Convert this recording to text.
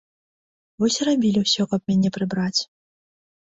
Вось і рабілі ўсё, каб мяне прыбраць.